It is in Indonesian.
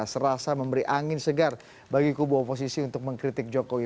serasa memberi angin segar bagi kubu oposisi untuk mengkritik jokowi